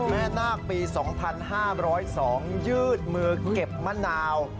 นาคปี๒๕๐๒ยืดมือเก็บมะนาว